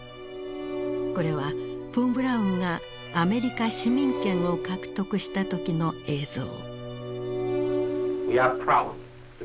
これはフォン・ブラウンがアメリカ市民権を獲得した時の映像。